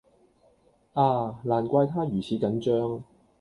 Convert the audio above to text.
啊！難怪她如此緊張